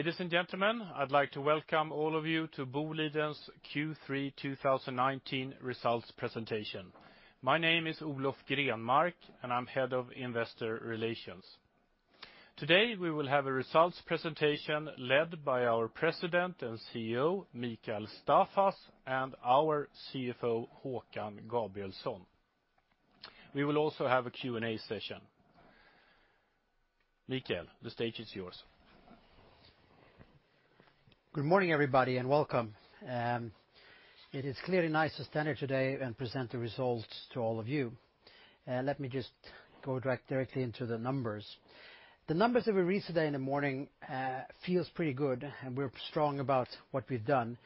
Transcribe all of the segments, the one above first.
Ladies and gentlemen, I'd like to welcome all of you to Boliden's Q3 2019 results presentation. My name is Olof Grenmark, and I'm head of investor relations. Today, we will have a results presentation led by our President and CEO, Mikael Staffas, and our CFO, Håkan Gabrielsson. We will also have a Q&A session. Mikael, the stage is yours. Good morning, everybody, and welcome. It is clearly nice to stand here today and present the results to all of you. Let me just go directly into the numbers. The numbers that we released today in the morning feel pretty good, and we're strong about what we've done.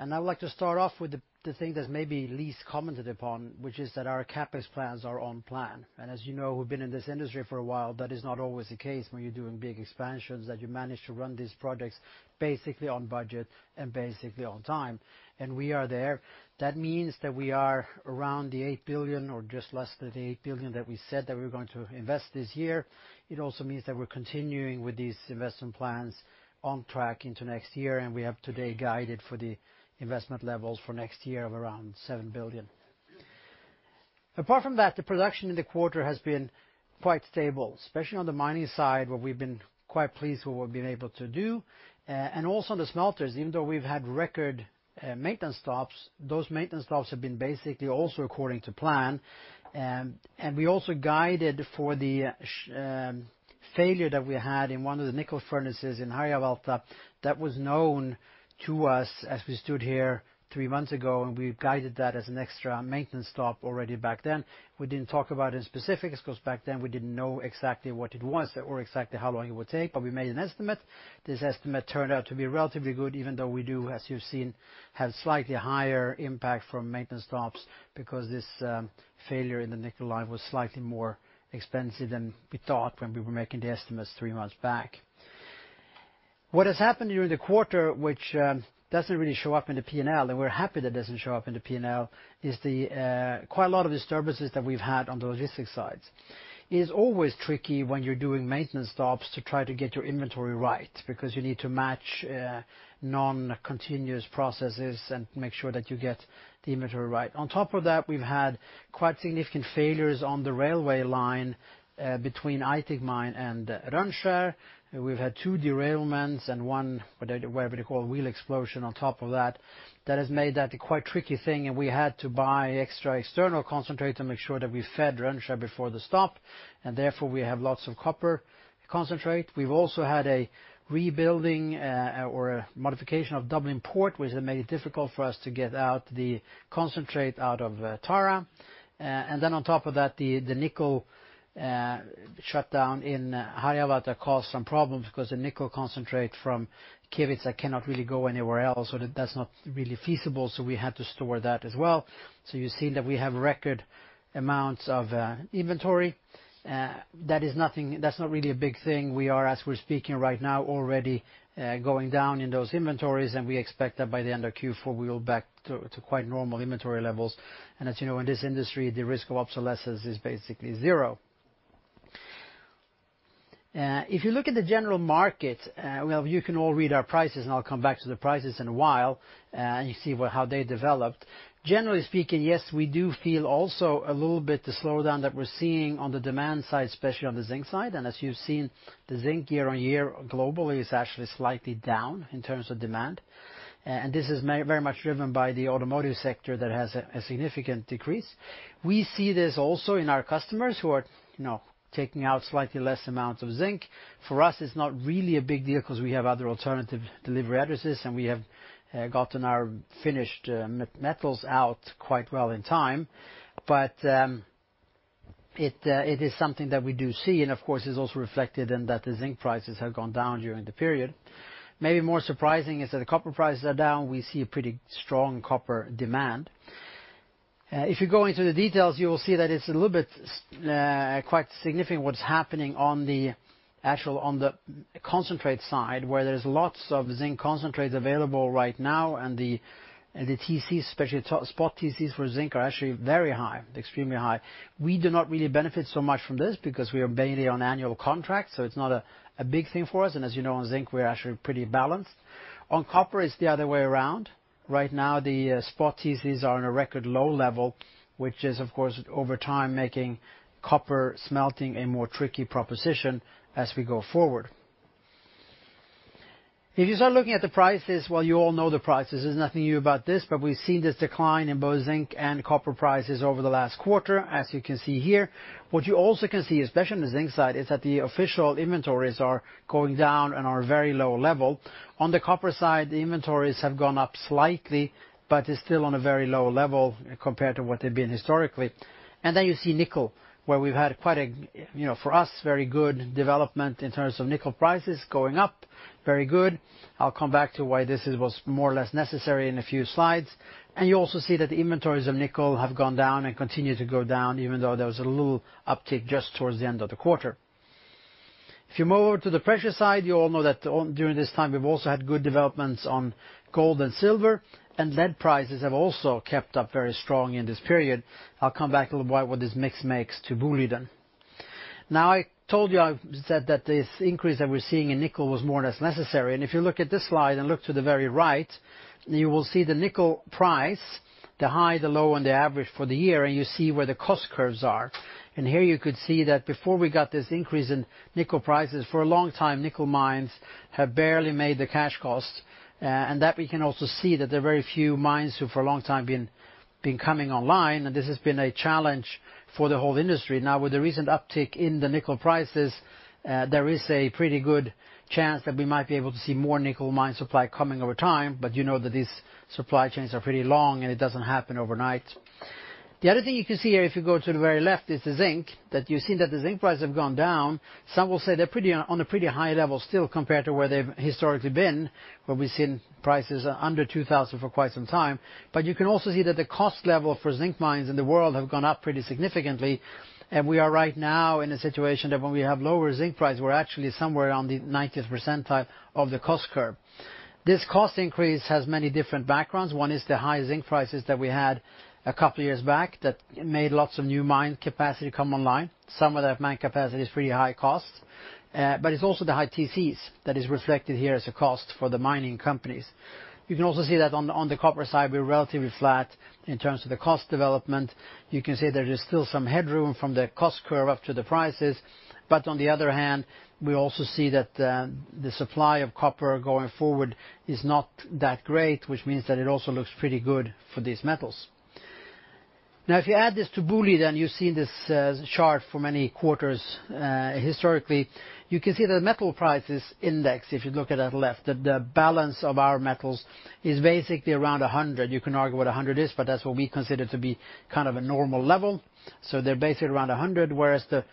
I would like to start off with the thing that's maybe least commented upon, which is that our CapEx plans are on plan. As you know, we've been in this industry for a while, that is not always the case when you're doing big expansions that you manage to run these projects basically on budget and basically on time. We are there. That means that we are around the 8 billion or just less than 8 billion that we said that we were going to invest this year. It also means that we're continuing with these investment plans on track into next year, and we have today guided for the investment levels for next year of around 7 billion. Apart from that, the production in the quarter has been quite stable, especially on the mining side, where we've been quite pleased with what we've been able to do. Also on the smelters, even though we've had record maintenance stops, those maintenance stops have been basically also according to plan. We also guided for the failure that we had in one of the nickel furnaces in Harjavalta that was known to us as we stood here three months ago, and we guided that as an extra maintenance stop already back then. We didn't talk about it in specifics because back then we didn't know exactly what it was or exactly how long it would take, but we made an estimate. This estimate turned out to be relatively good, even though we do, as you've seen, have slightly higher impact from maintenance stops because this failure in the nickel line was slightly more expensive than we thought when we were making the estimates three months back. What has happened during the quarter, which doesn't really show up in the P&L, and we're happy that doesn't show up in the P&L, is the quite a lot of disturbances that we've had on the logistics side. It's always tricky when you're doing maintenance stops to try to get your inventory right because you need to match non-continuous processes and make sure that you get the inventory right. On top of that, we've had quite significant failures on the railway line between Aitik Mine and Rönnskär. We've had two derailments and one, whatever you call, wheel explosion on top of that. That has made that a quite tricky thing, and we had to buy extra external concentrate to make sure that we fed Rönnskär before the stop, and therefore we have lots of copper concentrate. We've also had a rebuilding or a modification of Dublin Port, which has made it difficult for us to get out the concentrate out of Tara. On top of that, the nickel shutdown in Harjavalta caused some problems because the nickel concentrate from Kevitsa cannot really go anywhere else, or that's not really feasible. We had to store that as well. You see that we have record amounts of inventory. That's not really a big thing. We are, as we're speaking right now, already going down in those inventories, and we expect that by the end of Q4, we will be back to quite normal inventory levels. As you know, in this industry, the risk of obsolescence is basically zero. If you look at the general market, well, you can all read our prices, and I'll come back to the prices in a while, and you see how they developed. Generally speaking, yes, we do feel also a little bit the slowdown that we're seeing on the demand side, especially on the zinc side. As you've seen, the zinc year-on-year globally is actually slightly down in terms of demand. This is very much driven by the automotive sector that has a significant decrease. We see this also in our customers who are taking out slightly less amounts of zinc. It is something that we do see, and of course, it's also reflected in that the zinc prices have gone down during the period. Maybe more surprising is that the copper prices are down. We see a pretty strong copper demand. If you go into the details, you will see that it's a little bit quite significant what's happening on the concentrate side, where there's lots of zinc concentrates available right now, and the TC, especially spot TCs for zinc are actually very high, extremely high. We do not really benefit so much from this because we are mainly on annual contracts, so it's not a big thing for us. As you know, on zinc, we're actually pretty balanced. On copper, it's the other way around. Right now, the spot TCs are on a record low level, which is, of course, over time, making copper smelting a more tricky proposition as we go forward. If you start looking at the prices, well, you all know the prices. There's nothing new about this, but we've seen this decline in both zinc and copper prices over the last quarter, as you can see here. What you also can see, especially on the zinc side, is that the official inventories are going down and are very low level. On the copper side, the inventories have gone up slightly, but it's still on a very low level compared to what they've been historically. You see nickel, where we've had quite a, for us, very good development in terms of nickel prices going up. Very good. I'll come back to why this was more or less necessary in a few slides. You also see that the inventories of nickel have gone down and continue to go down, even though there was a little uptick just towards the end of the quarter. If you move over to the pressure side, you all know that during this time, we've also had good developments on gold and silver, and lead prices have also kept up very strong in this period. I'll come back a little bit what this mix makes to Boliden. Now I told you, I said that this increase that we're seeing in nickel was more or less necessary. If you look at this slide and look to the very right, you will see the nickel price, the high, the low, and the average for the year, and you see where the cost curves are. Here you could see that before we got this increase in nickel prices, for a long time nickel mines have barely made the cash cost. That we can also see that there are very few mines who, for a long time, been coming online, and this has been a challenge for the whole industry. Now, with the recent uptick in the nickel prices, there is a pretty good chance that we might be able to see more nickel mine supply coming over time, but you know that these supply chains are pretty long, and it doesn't happen overnight. The other thing you can see here if you go to the very left is the zinc, that you've seen that the zinc prices have gone down. Some will say they're on a pretty high level still compared to where they've historically been, where we've seen prices under 2,000 for quite some time. You can also see that the cost level for zinc mines in the world have gone up pretty significantly. We are right now in a situation that when we have lower zinc price, we're actually somewhere around the 90th percentile of the cost curve. This cost increase has many different backgrounds. One is the high zinc prices that we had a couple of years back that made lots of new mine capacity come online. Some of that mine capacity is pretty high cost. It's also the high TCs that is reflected here as a cost for the mining companies. You can also see that on the copper side, we're relatively flat in terms of the cost development. You can see there is still some headroom from the cost curve up to the prices. On the other hand, we also see that the supply of copper going forward is not that great, which means that it also looks pretty good for these metals. If you add this to Boliden, you've seen this chart for many quarters, historically. You can see the metal prices index, if you look at that left, that the balance of our metals is basically around 100. You can argue what 100 is, but that's what we consider to be kind of a normal level. They're basically around 100, whereas the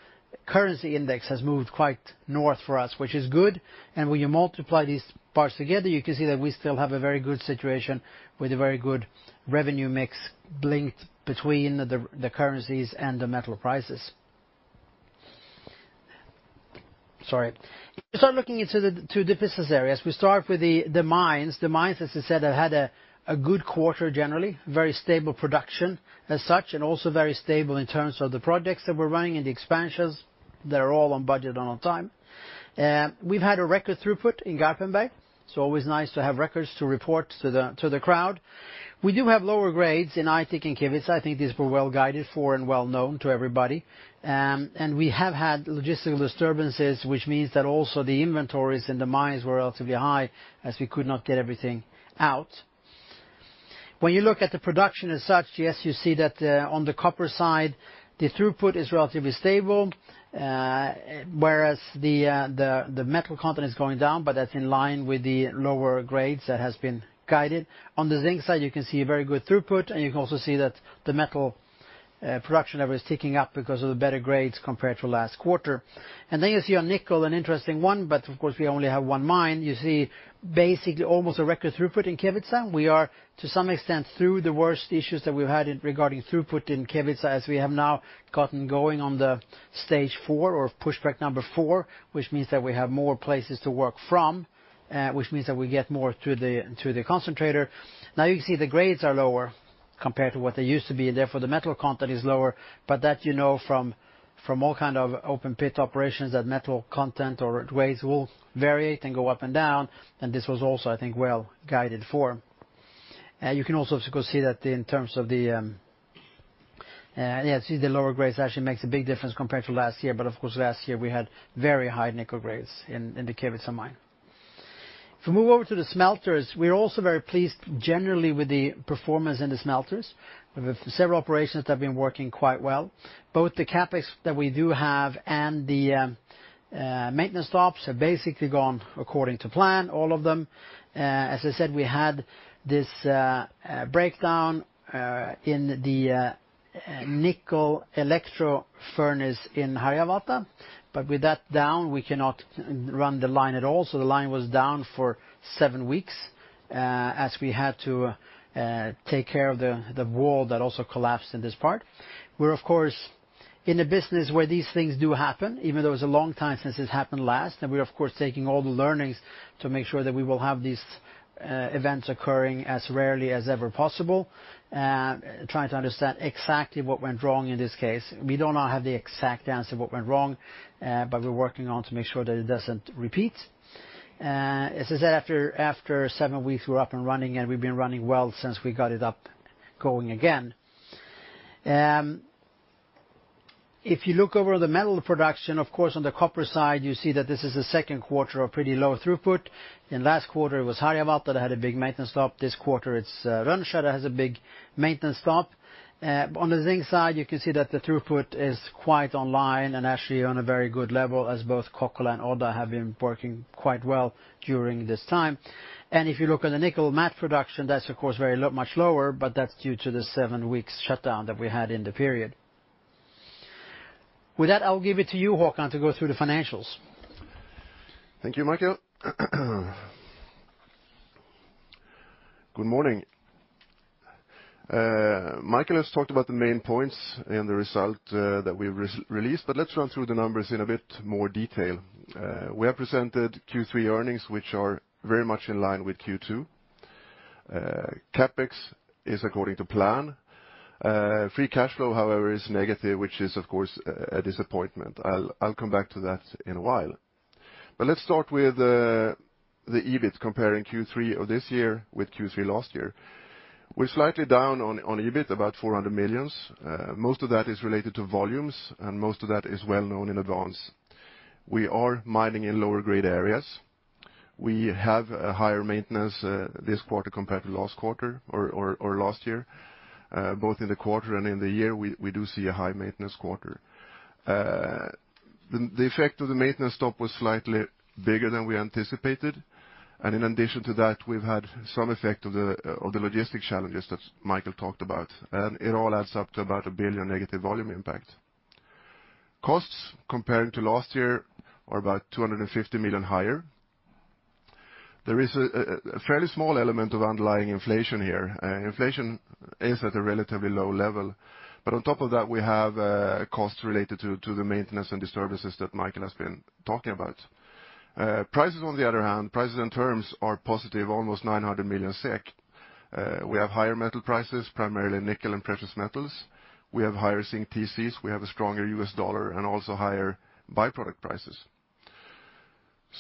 currency index has moved quite north for us, which is good. When you multiply these parts together, you can see that we still have a very good situation with a very good revenue mix linked between the currencies and the metal prices. Sorry. If you start looking into the two business areas, we start with the mines. The mines, as I said, have had a good quarter generally. Very stable production as such, and also very stable in terms of the projects that we're running and the expansions. They're all on budget and on time. We've had a record throughput in Garpenberg, so always nice to have records to report to the crowd. We do have lower grades in Aitik and Kevitsa. I think these were well guided for and well known to everybody. We have had logistical disturbances, which means that also the inventories in the mines were relatively high as we could not get everything out. When you look at the production as such, yes, you see that on the copper side, the throughput is relatively stable, whereas the metal content is going down, but that's in line with the lower grades that has been guided. On the zinc side, you can see a very good throughput, and you can also see that the metal production level is ticking up because of the better grades compared to last quarter. You see on nickel, an interesting one, but of course we only have one mine. You see basically almost a record throughput in Kevitsa. We are, to some extent, through the worst issues that we've had regarding throughput in Kevitsa, as we have now gotten going on the stage 4 or pushback number 4, which means that we have more places to work from, which means that we get more to the concentrator. Now you can see the grades are lower compared to what they used to be, and therefore the metal content is lower, but that you know from all kind of open pit operations, that metal content or grades will variate and go up and down, and this was also, I think, well guided for. You can also, of course, see that Yeah, see the lower grades actually makes a big difference compared to last year, but of course, last year we had very high nickel grades in the Kevitsa mine. If we move over to the smelters, we're also very pleased generally with the performance in the smelters. We have several operations that have been working quite well. Both the CapEx that we do have and the maintenance stops have basically gone according to plan, all of them. I said, we had this breakdown in the nickel electric furnace in Harjavalta, but with that down, we cannot run the line at all. The line was down for 7 weeks, as we had to take care of the wall that also collapsed in this part. We're of course in a business where these things do happen, even though it was a long time since this happened last. We're of course taking all the learnings to make sure that we will have these events occurring as rarely as ever possible, trying to understand exactly what went wrong in this case. We do not have the exact answer what went wrong, but we're working on to make sure that it doesn't repeat. I said, after 7 weeks, we're up and running, and we've been running well since we got it up going again. If you look over the metal production, of course, on the copper side, you see that this is the second quarter of pretty low throughput. In last quarter, it was Harjavalta that had a big maintenance stop. This quarter, it's Rönnskär that has a big maintenance stop. On the zinc side, you can see that the throughput is quite online and actually on a very good level as both Kokkola and Odda have been working quite well during this time. If you look at the nickel matte production, that's of course very much lower, but that's due to the seven weeks shutdown that we had in the period. With that, I'll give it to you, Håkan, to go through the financials. Thank you, Mikael. Good morning. Mikael has talked about the main points in the result that we've released, but let's run through the numbers in a bit more detail. We have presented Q3 earnings, which are very much in line with Q2. CapEx is according to plan. Free cash flow, however, is negative, which is, of course, a disappointment. I'll come back to that in a while. Let's start with the EBIT comparing Q3 of this year with Q3 last year. We're slightly down on EBIT, about 400 million. Most of that is related to volumes, and most of that is well known in advance. We are mining in lower grade areas. We have a higher maintenance this quarter compared to last quarter or last year, both in the quarter and in the year, we do see a high maintenance quarter. The effect of the maintenance stop was slightly bigger than we anticipated. In addition to that, we've had some effect of the logistic challenges that Mikael talked about, and it all adds up to about a 1 billion negative volume impact. Costs comparing to last year are about 250 million higher. There is a fairly small element of underlying inflation here. Inflation is at a relatively low level. On top of that, we have costs related to the maintenance and disturbances that Mikael has been talking about. Prices, on the other hand, prices and terms are positive, almost 900 million SEK. We have higher metal prices, primarily nickel and precious metals. We have higher zinc TCs, we have a stronger US dollar and also higher by-product prices.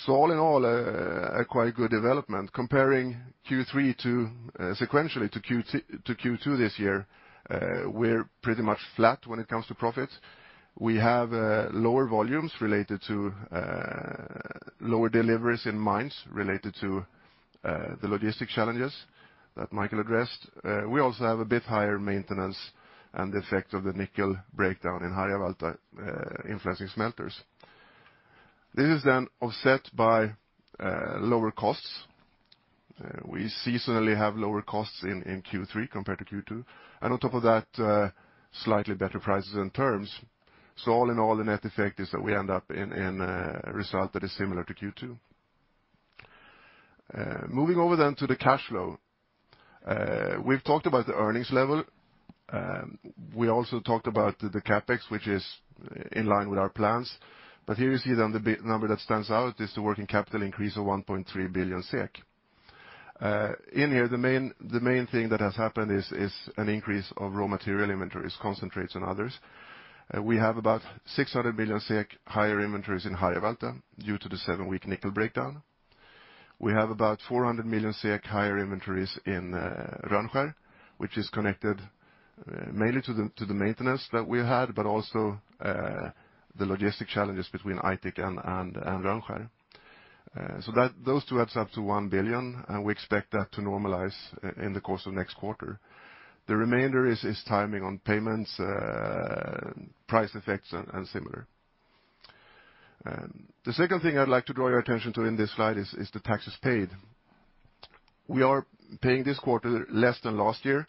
All in all, a quite good development. Comparing Q3 sequentially to Q2 this year, we're pretty much flat when it comes to profit. We have lower volumes related to lower deliveries in mines, related to the logistic challenges that Mikael addressed. We also have a bit higher maintenance and the effect of the nickel breakdown in Harjavalta influencing smelters. This is offset by lower costs. We seasonally have lower costs in Q3 compared to Q2. On top of that, slightly better prices and terms. All in all, the net effect is that we end up in a result that is similar to Q2. Moving over to the cash flow. We've talked about the earnings level. We also talked about the CapEx, which is in line with our plans. Here you see then the number that stands out is the working capital increase of 1.3 billion SEK. In here, the main thing that has happened is an increase of raw material inventories, concentrates and others. We have about 600 million SEK higher inventories in Harjavalta due to the seven-week nickel breakdown. We have about 400 million higher inventories in Rönnskär, which is connected mainly to the maintenance that we had, but also the logistic challenges between Aitik and Rönnskär. Those two adds up to 1 billion, and we expect that to normalize in the course of next quarter. The remainder is timing on payments, price effects and similar. The second thing I'd like to draw your attention to in this slide is the taxes paid. We are paying this quarter less than last year.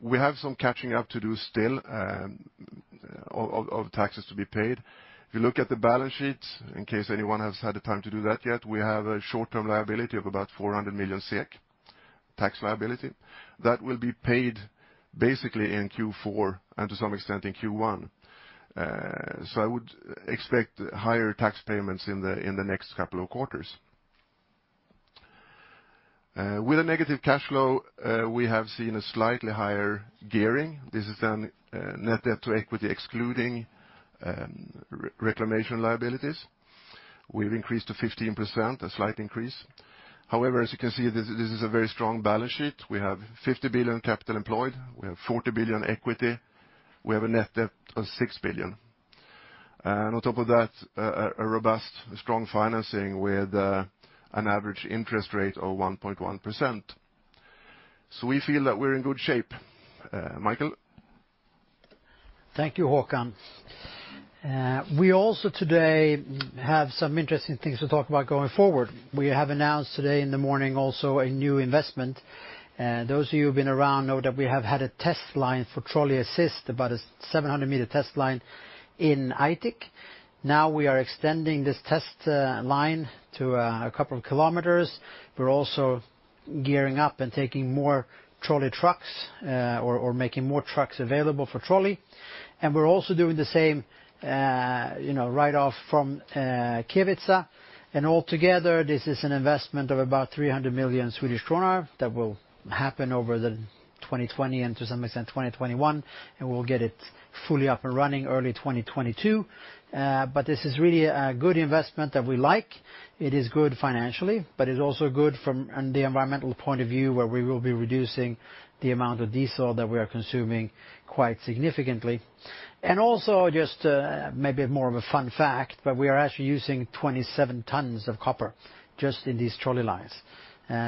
We have some catching up to do still of taxes to be paid. If you look at the balance sheet, in case anyone has had the time to do that yet, we have a short-term liability of about 400 million SEK, tax liability. That will be paid basically in Q4 and to some extent in Q1. I would expect higher tax payments in the next couple of quarters. With a negative cash flow, we have seen a slightly higher gearing. This is net debt to equity excluding reclamation liabilities. We've increased to 15%, a slight increase. However, as you can see, this is a very strong balance sheet. We have 50 billion capital employed. We have 40 billion equity. We have a net debt of 6 billion. On top of that, a robust, strong financing with an average interest rate of 1.1%. We feel that we're in good shape. Mikael? Thank you, Håkan. We also today have some interesting things to talk about going forward. We have announced today in the morning also a new investment. Those of you who've been around know that we have had a test line for trolley assist, about a 700-meter test line in Aitik. Now we are extending this test line to a couple of kilometers. We're also gearing up and taking more trolley trucks or making more trucks available for trolley. We're also doing the same right off from Kevitsa. Altogether, this is an investment of about 300 million Swedish kronor that will happen over the 2020 and to some extent 2021, and we'll get it fully up and running early 2022. This is really a good investment that we like. It is good financially. It's also good from the environmental point of view, where we will be reducing the amount of diesel that we are consuming quite significantly. Also just maybe more of a fun fact, we are actually using 27 tons of copper just in these trolley lines.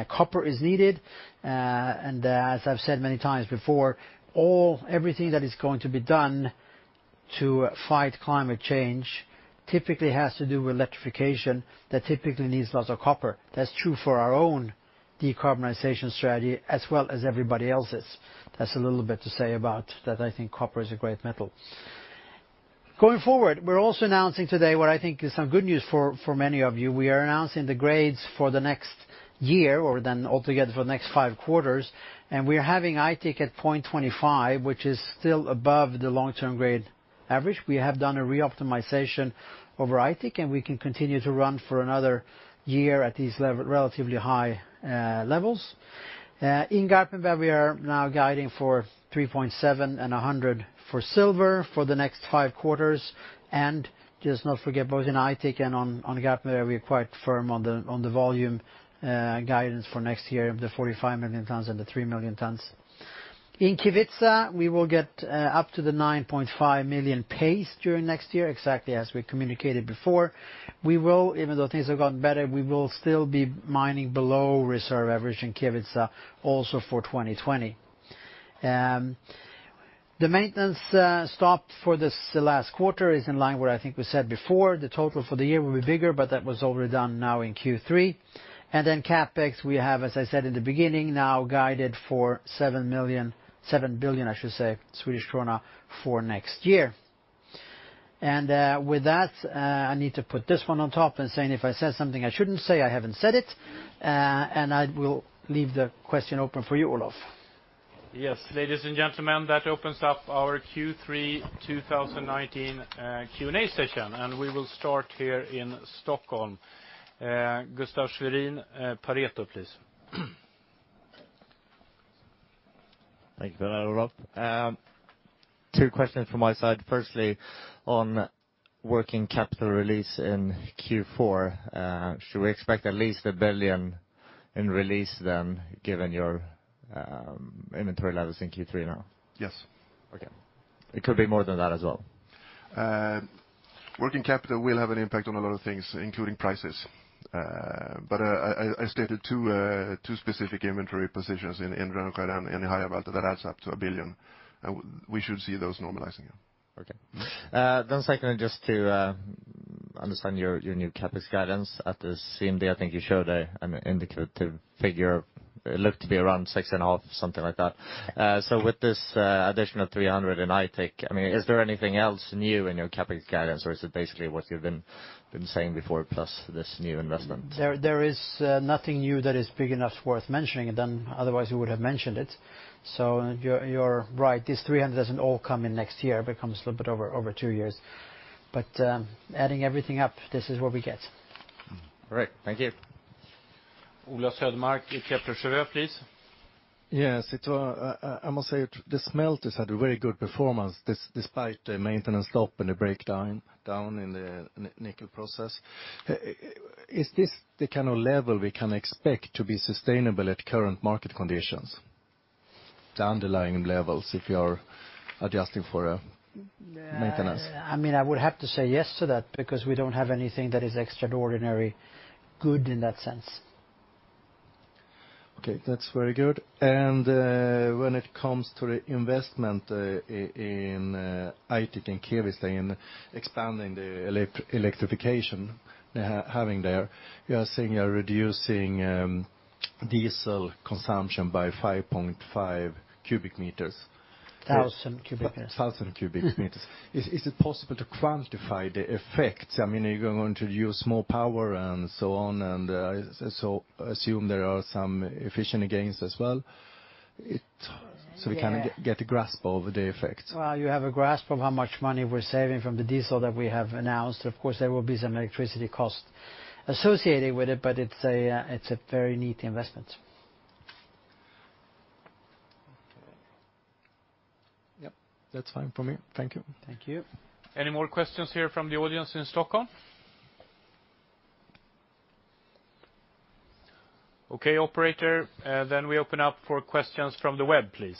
Copper is needed. As I've said many times before, everything that is going to be done to fight climate change typically has to do with electrification that typically needs lots of copper. That's true for our own decarbonization strategy as well as everybody else's. That's a little bit to say about that I think copper is a great metal. Going forward, we're also announcing today what I think is some good news for many of you. We are announcing the grades for the next year or altogether for the next 5 quarters, we are having Aitik at 0.25, which is still above the long-term grade average. We have done a re-optimization over Aitik, we can continue to run for another year at these relatively high levels. In Garpenberg, we are now guiding for 3.7 and 100 for silver for the next 5 quarters. Just not forget, both in Aitik and on Garpenberg, we are quite firm on the volume guidance for next year of the 45 million tons and the 3 million tons. In Kevitsa, we will get up to the 9.5 million pace during next year, exactly as we communicated before. Even though things have gotten better, we will still be mining below reserve average in Kevitsa also for 2020. The maintenance stop for this last quarter is in line what I think we said before. The total for the year will be bigger, but that was already done now in Q3. CapEx, we have, as I said in the beginning, now guided for 7 billion for next year. With that, I need to put this one on top and saying, if I said something I shouldn't say, I haven't said it, and I will leave the question open for you, Olof. Yes. Ladies and gentlemen, that opens up our Q3 2019 Q&A session, and we will start here in Stockholm. Gustav Sfiréen, Pareto, please. Thank you for that, Olof. Two questions from my side. Firstly, on working capital release in Q4, should we expect at least 1 billion in release then given your inventory levels in Q3 now? Yes. Okay. It could be more than that as well? Working capital will have an impact on a lot of things, including prices. I stated two specific inventory positions in Rönnskär and in High Level that adds up to 1 billion, and we should see those normalizing, yeah. Okay. Secondly, just to understand your new CapEx guidance. At the CMD, I think you showed an indicative figure. It looked to be around 6.5, something like that. With this additional 300 in Aitik, is there anything else new in your CapEx guidance, or is it basically what you've been saying before plus this new investment? There is nothing new that is big enough worth mentioning, and then otherwise we would have mentioned it. You're right. This 300 doesn't all come in next year, but it comes a little bit over two years. Adding everything up, this is what we get. All right. Thank you. Ola Södermark, Kepler Cheuvreux, please. Yes. I must say the smelters had a very good performance despite the maintenance stop and the breakdown in the nickel process. Is this the kind of level we can expect to be sustainable at current market conditions, the underlying levels, if you are adjusting for maintenance? I would have to say yes to that because we don't have anything that is extraordinarily good in that sense. Okay, that's very good. When it comes to the investment in Aitik and Kevitsa in expanding the electrification having there, you are saying you're reducing diesel consumption by 5.5 cubic meters. Thousand cubic meters. Thousand cubic meters. Is it possible to quantify the effects? You're going to use more power and so on, and so assume there are some efficient gains as well, so we can get a grasp over the effects. Well, you have a grasp of how much money we're saving from the diesel that we have announced. Of course, there will be some electricity cost associated with it, but it's a very neat investment. Okay. Yep. That's fine for me. Thank you. Thank you. Any more questions here from the audience in Stockholm? Okay, operator, we open up for questions from the web, please.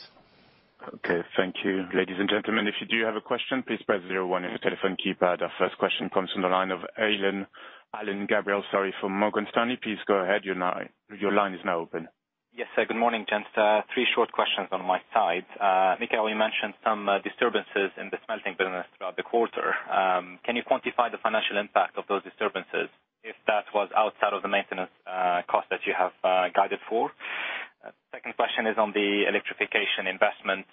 Okay. Thank you. Ladies and gentlemen, if you do have a question, please press zero one on your telephone keypad. Our first question comes from the line of Alain Gabriel from Morgan Stanley. Please go ahead. Your line is now open. Yes. Good morning, gents. Three short questions on my side. Mikael, you mentioned some disturbances in the smelting business throughout the quarter. Can you quantify the financial impact of those disturbances if that was outside of the maintenance cost that you have guided for? Second question is on the electrification investment.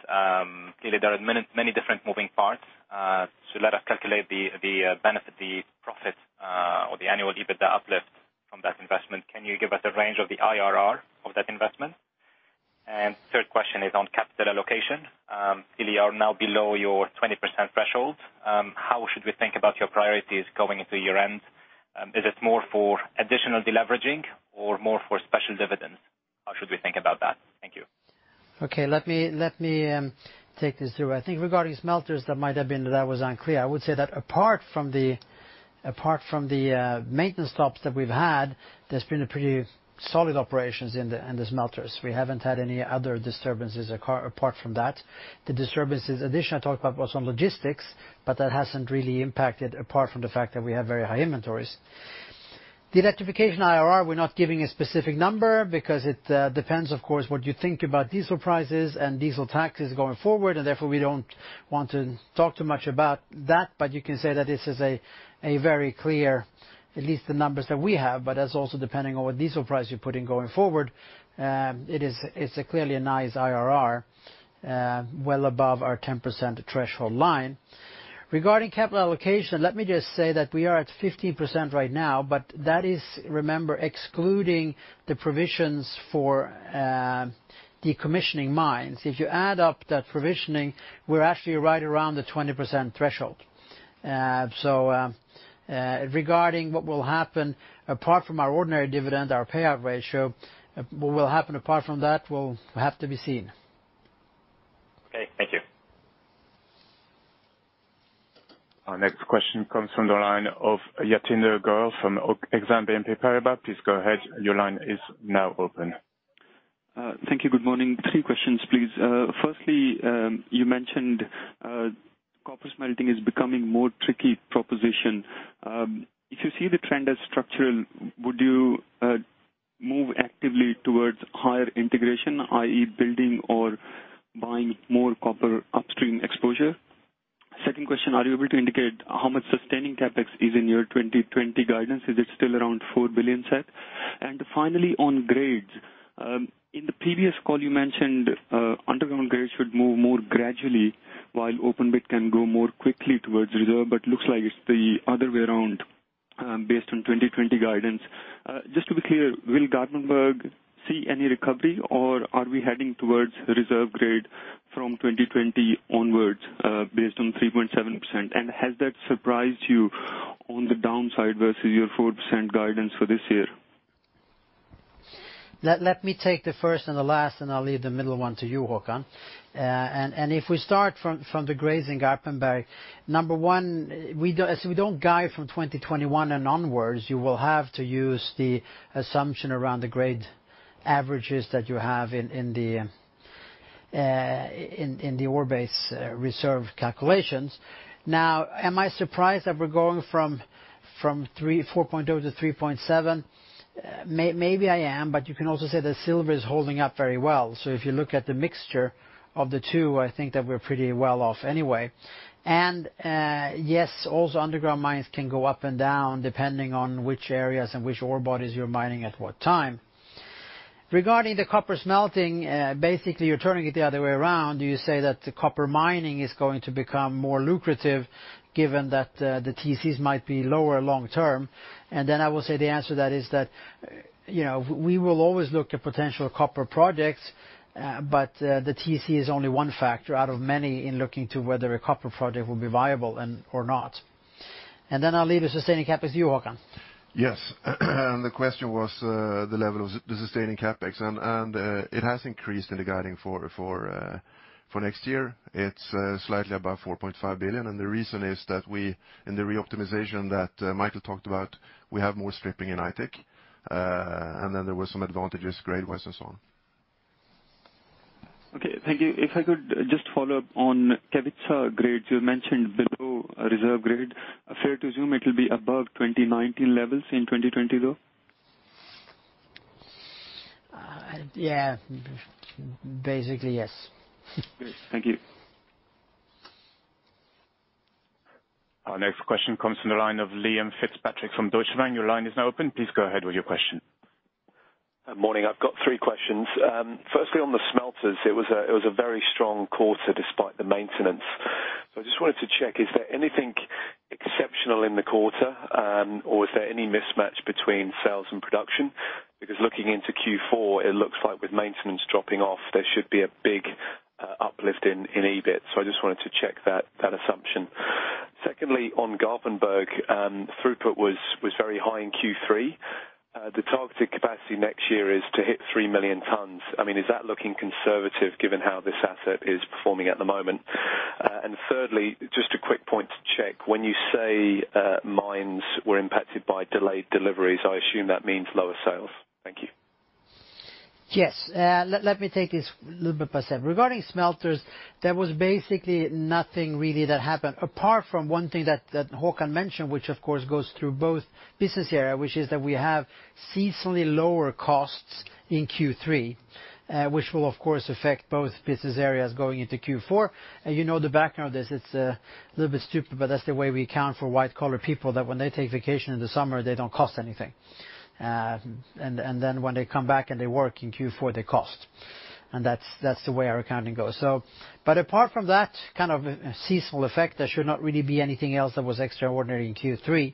Clearly there are many different moving parts to let us calculate the benefit, the profit, or the annual EBITDA uplift from that investment. Can you give us a range of the IRR of that investment? Third question is on capital allocation. Clearly you are now below your 20% threshold. How should we think about your priorities going into year-end? Is it more for additional deleveraging or more for special dividends? How should we think about that? Thank you. Okay. Let me take this through. I think regarding smelters, that was unclear. I would say that apart from the maintenance stops that we've had, there's been pretty solid operations in the smelters. We haven't had any other disturbances apart from that. The disturbances addition I talked about was on logistics, but that hasn't really impacted apart from the fact that we have very high inventories. The electrification IRR, we're not giving a specific number because it depends, of course, what you think about diesel prices and diesel taxes going forward, and therefore we don't want to talk too much about that. You can say that this is a very clear, at least the numbers that we have, but that's also depending on what diesel price you put in going forward. It's clearly a nice IRR, well above our 10% threshold line. Regarding capital allocation, let me just say that we are at 15% right now, but that is, remember, excluding the provisions for decommissioning mines. If you add up that provisioning, we're actually right around the 20% threshold. Regarding what will happen, apart from our ordinary dividend, our payout ratio, what will happen apart from that will have to be seen. Okay, thank you. Our next question comes from the line of Jatinder Gill from Exane BNP Paribas. Please go ahead. Your line is now open. Thank you. Good morning. Three questions, please. Firstly, you mentioned copper smelting is becoming more tricky proposition. If you see the trend as structural, would you move actively towards higher integration, i.e., building or buying more copper upstream exposure? Second question, are you able to indicate how much sustaining CapEx is in your 2020 guidance? Is it still around 4 billion, Seth? Finally, on grades. In the previous call you mentioned underground grades should move more gradually, while open pit can grow more quickly towards reserve, but looks like it's the other way around based on 2020 guidance. Just to be clear, will Garpenberg see any recovery or are we heading towards reserve grade from 2020 onwards, based on 3.7%? Has that surprised you on the downside versus your 4% guidance for this year? Let me take the first and the last, and I'll leave the middle one to you, Håkan. If we start from the grades in Garpenberg, number 1, as we don't guide from 2021 and onwards, you will have to use the assumption around the grade averages that you have in the ore base reserve calculations. Am I surprised that we're going from 4.0 to 3.7? Maybe I am, but you can also say that silver is holding up very well. If you look at the mixture of the two, I think that we're pretty well off anyway. Yes, also underground mines can go up and down depending on which areas and which ore bodies you're mining at what time. Regarding the copper smelting, basically you're turning it the other way around. You say that the copper mining is going to become more lucrative given that the TCs might be lower long term. I will say the answer to that is that we will always look at potential copper projects, but the TC is only one factor out of many in looking to whether a copper project will be viable or not. I'll leave the sustaining CapEx to you, Håkan. Yes. The question was the level of the sustaining CapEx and it has increased in the guiding for next year. It's slightly above 4.5 billion, and the reason is that we, in the re-optimization that Mikael talked about, we have more stripping in Aitik. Then there was some advantages grade-wise and so on. Okay. Thank you. If I could just follow up on Kevitsa grades, you mentioned below reserve grade. Fair to assume it'll be above 2019 levels in 2020, though? Yeah. Basically, yes. Great. Thank you. Our next question comes from the line of Liam Fitzpatrick from Deutsche Bank. Your line is now open. Please go ahead with your question. Morning. I've got three questions. Firstly, on the smelters, it was a very strong quarter despite the maintenance. I just wanted to check, is there anything exceptional in the quarter? Is there any mismatch between sales and production? Looking into Q4, it looks like with maintenance dropping off, there should be a big uplift in EBIT. I just wanted to check that assumption. Secondly, on Garpenberg, throughput was very high in Q3. The targeted capacity next year is to hit three million tons. Is that looking conservative given how this asset is performing at the moment? Thirdly, just a quick point to check. When you say mines were impacted by delayed deliveries, I assume that means lower sales. Thank you. Yes. Let me take this little bit by bit. Regarding smelters, there was basically nothing really that happened apart from one thing that Håkan mentioned, which of course goes through both business area, which is that we have seasonally lower costs in Q3, which will, of course, affect both business areas going into Q4. You know the background of this, it's a little bit stupid, but that's the way we account for white collar people, that when they take vacation in the summer they don't cost anything. Then when they come back and they work in Q4, they cost. That's the way our accounting goes. Apart from that kind of seasonal effect, there should not really be anything else that was extraordinary in Q3.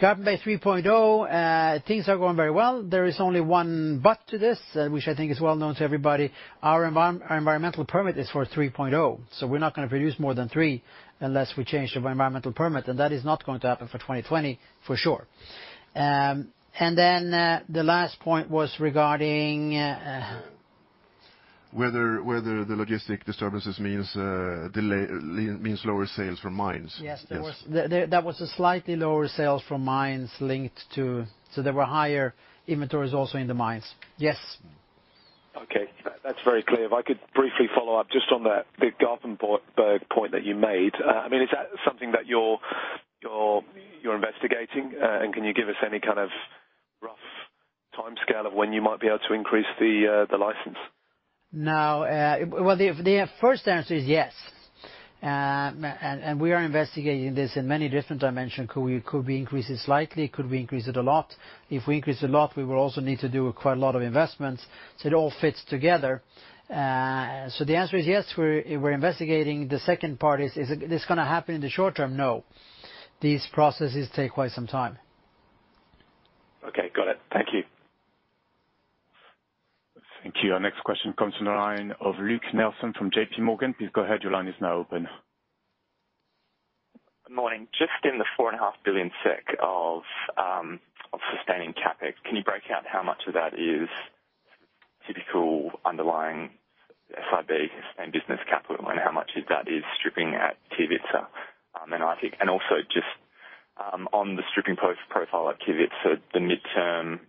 Garpenberg 3.0, things are going very well. There is only one but to this, which I think is well known to everybody. Our environmental permit is for 3.0, so we're not going to produce more than three unless we change the environmental permit, and that is not going to happen for 2020 for sure. Whether the logistic disturbances means lower sales from mines. Yes. Yes. There was slightly lower sales from mines. There were higher inventories also in the mines. Yes. Okay. That's very clear. If I could briefly follow up just on that big Garpenberg point that you made. Is that something that you're investigating? Can you give us any kind of rough timescale of when you might be able to increase the license? Well, the first answer is yes. We are investigating this in many different dimensions. Could we increase it slightly? Could we increase it a lot? If we increase a lot, we will also need to do quite a lot of investments so it all fits together. The answer is yes, we're investigating. The second part is this going to happen in the short term? No. These processes take quite some time. Okay, got it. Thank you. Thank you. Our next question comes from the line of Luke Nelson from JPMorgan. Please go ahead. Your line is now open. Good morning. Just in the four and a half billion SEK of sustaining CapEx, can you break out how much of that is typical underlying SIB sustained business capital, and how much of that is stripping at Kevitsa? Also just on the stripping profile at Kevitsa, the midterm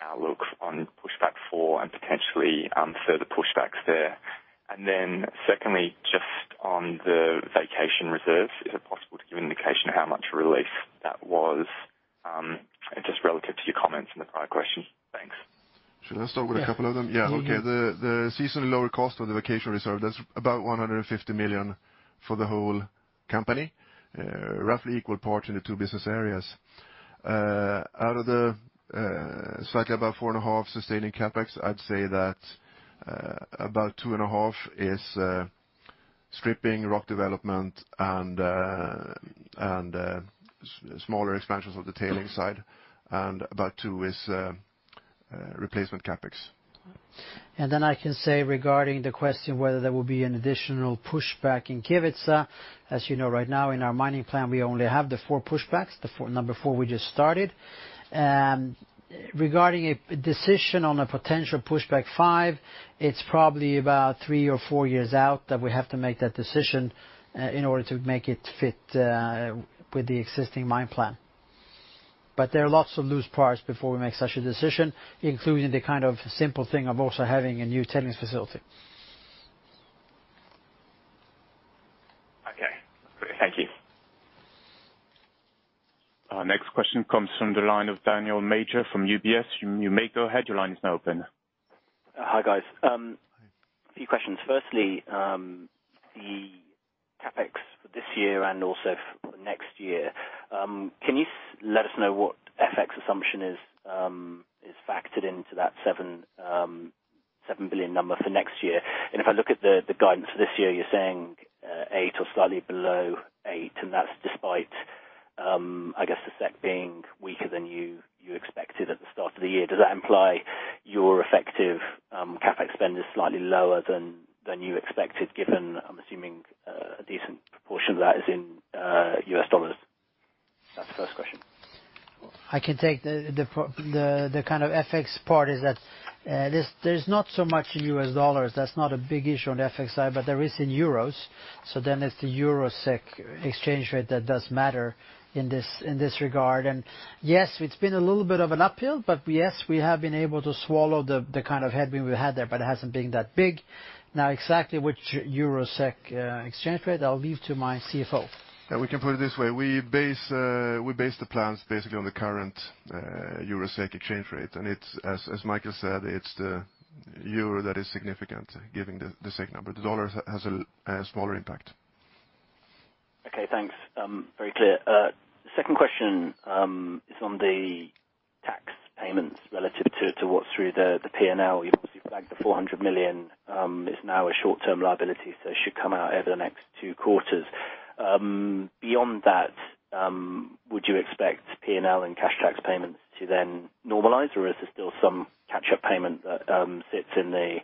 outlook on pushback 4 and potentially further pushbacks there. Secondly, just on the vacation reserves, is it possible to give an indication of how much relief that was, just relative to your comments in the prior question? Thanks. Should I start with a couple of them? Yeah. Yeah. Okay. The seasonally lower cost of the vacation reserve, that's about 150 million for the whole company. Roughly equal parts in the two business areas. Out of the slightly above four and a half sustaining CapEx, I'd say that about two and a half is stripping rock development and smaller expansions of the tailing side, and about SEK two is replacement CapEx. I can say regarding the question whether there will be an additional pushback in Kevitsa. As you know right now in our mining plan, we only have the four pushbacks. The number four we just started. Regarding a decision on a potential pushback 5, it's probably about three or four years out that we have to make that decision in order to make it fit with the existing mine plan. There are lots of loose parts before we make such a decision, including the kind of simple thing of also having a new tailings facility. Okay, great. Thank you. Our next question comes from the line of Daniel Major from UBS. You may go ahead. Your line is now open. Hi, guys. A few questions. Firstly, the CapEx for this year and also for next year. Can you let us know what FX assumption is factored into that 7 billion number for next year? If I look at the guidance for this year, you're saying eight or slightly below eight, and that's despite, I guess the SEK being weaker than you expected at the start of the year. Does that imply your effective CapEx spend is slightly lower than you expected, given I'm assuming a decent proportion of that is in US dollars? That's the first question. I can take the kind of FX part is that there's not so much in US dollars. That's not a big issue on the FX side, but there is in euros. It's the euro-SEK exchange rate that does matter in this regard. Yes, it's been a little bit of an uphill, but yes, we have been able to swallow the kind of headwind we've had there, but it hasn't been that big. Exactly which euro-SEK exchange rate I'll leave to my CFO. Yeah, we can put it this way. We base the plans basically on the current euro-SEK exchange rate. As Mikael said, it's the euro that is significant given the SEK number. The US dollar has a smaller impact. Okay, thanks. Very clear. Second question is on the tax payments relative to what's through the P&L. You obviously flagged the 400 million is now a short-term liability, so it should come out over the next two quarters. Beyond that, would you expect P&L and cash tax payments to then normalize, or is there still some catch-up payment that sits in the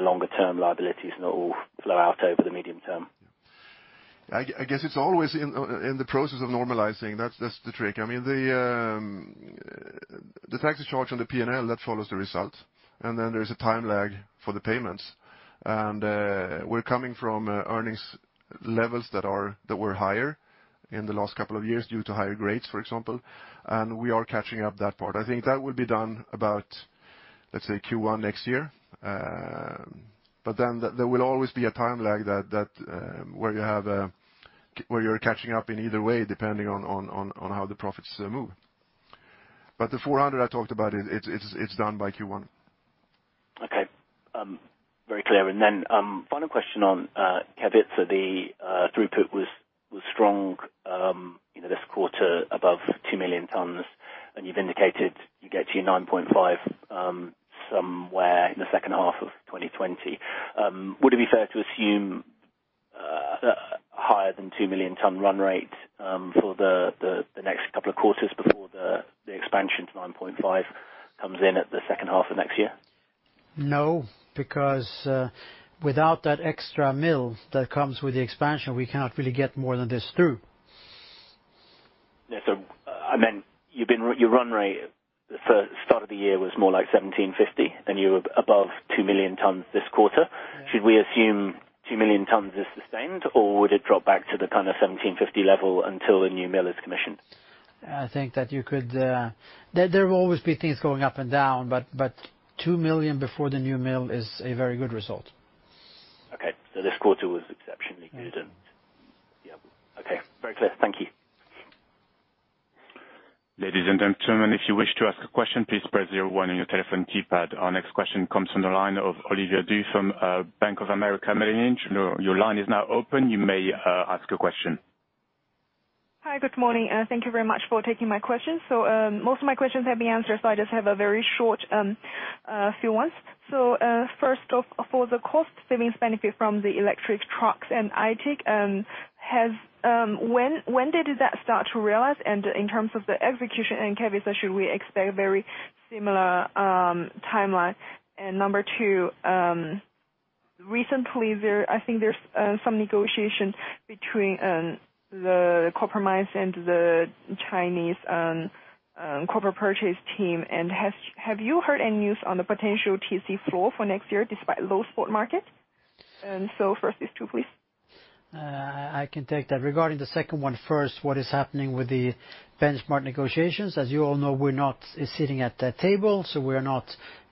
longer-term liabilities, not all flow out over the medium term? I guess it's always in the process of normalizing. That's the trick. I mean, the tax is charged on the P&L, that follows the result. There is a time lag for the payments. We're coming from earnings levels that were higher in the last couple of years due to higher grades, for example. We are catching up that part. I think that will be done about, let's say, Q1 next year. There will always be a time lag where you're catching up in either way, depending on how the profits move. The 400 I talked about, it's done by Q1. Okay. Very clear. Final question on Kevitsa. The throughput was strong this quarter above 2 million tons. You've indicated you get to your 9.5 somewhere in the second half of 2020. Would it be fair to assume a higher than 2 million ton run rate for the next couple of quarters before the expansion to 9.5 comes in at the second half of next year? No, because without that extra mill that comes with the expansion, we cannot really get more than this through. Yeah. I meant your run rate for start of the year was more like 1,750, and you were above 2 million tons this quarter. Should we assume 2 million tons is sustained, or would it drop back to the kind of 1,750 level until the new mill is commissioned? I think that there will always be things going up and down, but 2 million before the new mill is a very good result. Okay. This quarter was exceptionally good. Yeah. Okay. Very clear. Thank you. Ladies and gentlemen, if you wish to ask a question, please press zero one on your telephone keypad. Our next question comes from the line of Olivia Du from Bank of America Merrill Lynch. Your line is now open. You may ask a question. Hi. Good morning, thank you very much for taking my question. Most of my questions have been answered, so I just have a few ones. First off, for the cost savings benefit from the trolley assist in Aitik, when did that start to realize? In terms of the execution in Kevitsa, should we expect very similar timeline? Number 2, recently I think there's some negotiation between the copper mines and the Chinese corporate purchase team. Have you heard any news on the potential TC floor for next year despite low spot TCs? First, these two, please. I can take that. Regarding the second one first, what is happening with the benchmark negotiations. As you all know, we're not sitting at that table, so we're not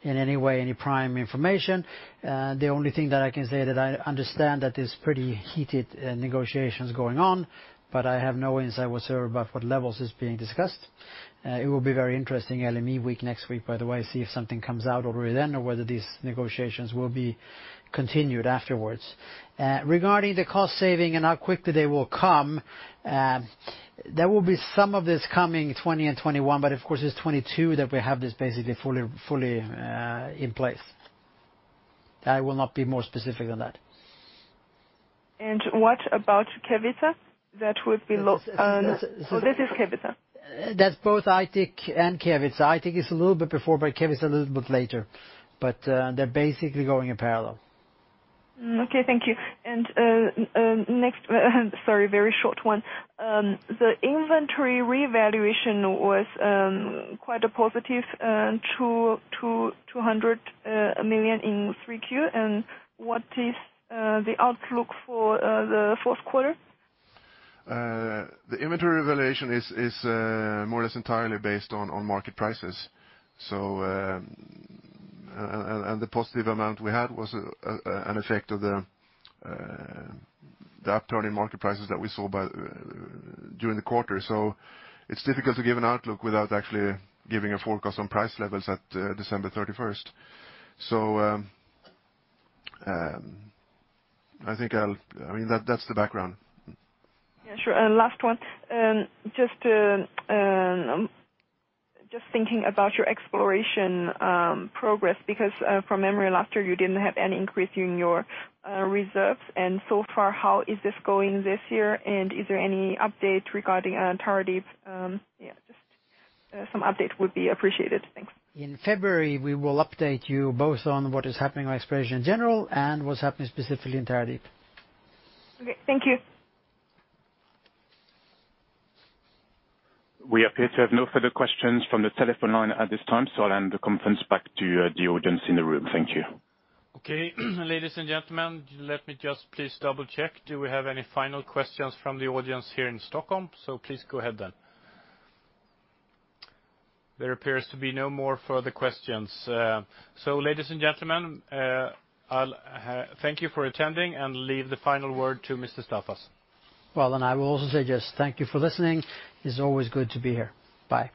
in any way, any prime information. The only thing that I can say that I understand that is pretty heated negotiations going on, but I have no insight whatsoever about what levels is being discussed. It will be very interesting LME week next week, by the way, see if something comes out already then or whether these negotiations will be continued afterwards. Regarding the cost saving and how quickly they will come, there will be some of this coming 2020 and 2021, but of course it's 2022 that we have this basically fully in place. I will not be more specific on that. What about Kevitsa? That would be So this- This is Kevitsa. That's both Aitik and Kevitsa. Aitik is a little bit before, but Kevitsa a little bit later. They're basically going in parallel. Okay, thank you. Next, sorry, very short one. The inventory revaluation was quite a positive, 200 million in Q3. What is the outlook for the fourth quarter? The inventory valuation is more or less entirely based on market prices. The positive amount we had was an effect of the upturn in market prices that we saw during the quarter. It's difficult to give an outlook without actually giving a forecast on price levels at December 31st. I mean, that's the background. Yeah, sure. Last one. Just thinking about your exploration progress because from memory last year you didn't have any increase in your reserves. So far how is this going this year, and is there any update regarding a target? Yeah, just some update would be appreciated. Thanks. In February, we will update you both on what is happening on exploration in general and what's happening specifically in Tara Deep. Okay, thank you. We appear to have no further questions from the telephone line at this time. I'll hand the conference back to the audience in the room. Thank you. Okay. Ladies and gentlemen, let me just please double check. Do we have any final questions from the audience here in Stockholm? Please go ahead then. There appears to be no more further questions. Ladies and gentlemen, thank you for attending, and leave the final word to Mr. Staffas. Well, I will also say just thank you for listening. It's always good to be here. Bye.